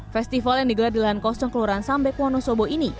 festival yang digelar di lahan kosong kelurahan sambek wonosobo ini